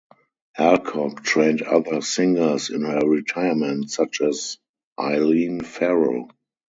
Alcock trained other singers in her retirement such as Eileen Farrell.